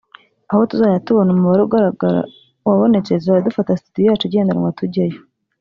aho tuzajya tubona umubare ugaragara wabonetse tuzajya dufata studio yacu igendanwa tujyeyo”